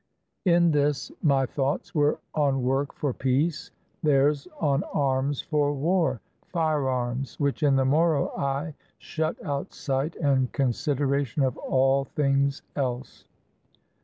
In this, my thoughts were on work for peace, theirs on arms for war, firearms, which in the Moro eye shut out sight and consideration of all things else.